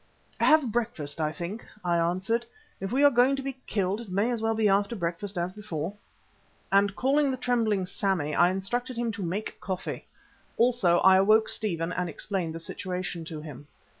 "Have breakfast, I think," I answered. "If we are going to be killed it may as well be after breakfast as before," and calling the trembling Sammy, I instructed him to make the coffee. Also I awoke Stephen and explained the situation to him.